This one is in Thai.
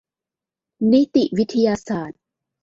นิติวิทยาศาสตร์